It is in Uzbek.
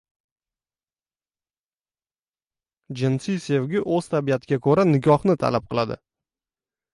…Jinsiy sevgi o‘z tabiatiga ko‘ra nikohni talab qiladi…